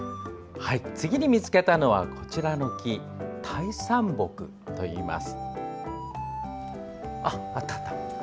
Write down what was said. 次に見つけたのはこちらの木タイサンボクといいます。